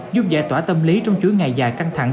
giúp giải tỏa tâm lý trong chuỗi ngày dài căng thẳng